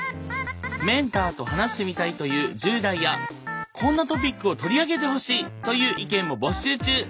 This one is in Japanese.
メンターと話してみたいという１０代やこんなトピックを取り上げてほしいという意見も募集中！